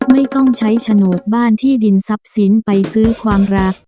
ไม่ต้องใช้โฉนดบ้านที่ดินทรัพย์สินไปซื้อความรัก